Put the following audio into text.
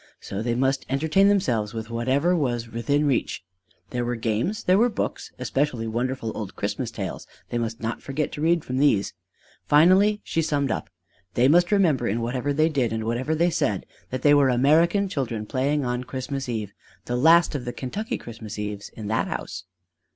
So they must entertain themselves with whatever was within reach: there were games, there were books; especially wonderful old Christmas tales. They must not forget to read from these. Finally she summed up: they must remember in whatever they did and whatever they said that they were American children playing on Christmas Eve the last of the Kentucky Christmas Eves in that house!